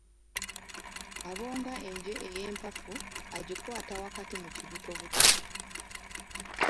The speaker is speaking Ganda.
Abonga enje ey'empafu, agikwata wakati mu kibutobuto.